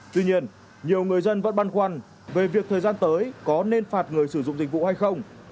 tuy nhiên nhiều người dân vẫn băn khoăn về việc thời gian tới có nên phạt người sử dụng dịch vụ hay không